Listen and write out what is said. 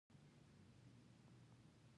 ښارونه باید څنګه زرغون شي؟